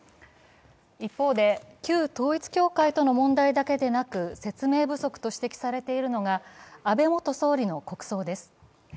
一方で、旧統一教会との問題だけでなく、説明不足と指摘されているのが安倍元総理の国葬です。